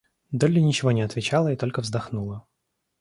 Долли ничего не отвечала и только вздохнула.